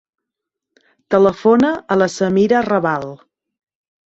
Telefona a la Samira Rabal.